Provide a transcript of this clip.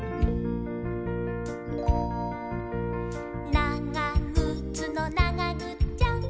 「ながぐつのながぐっちゃん！！」